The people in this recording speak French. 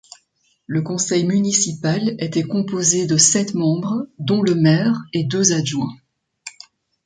Le conseil municipal était composé de sept membres dont le maire et deux adjoint.